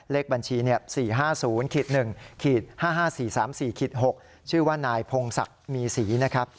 เลขบัญชี๔๕๐๑๕๕๔๓๔๖ชื่อว่านายพงศักดิ์มีศรีนะครับ